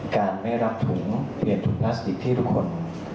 การไม่รับถุงเปลี่ยนถุงพลาสติกที่ทุกคน